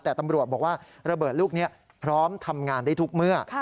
แต่ตำรวจบอกว่าระเบิดลูกนี้พร้อมทำงานได้ทุกเมื่อ